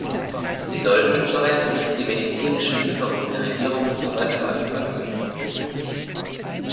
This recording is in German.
Sie sollten, so heißt es, die medizinischen Lieferungen der Regierung zur Weitergabe überlassen.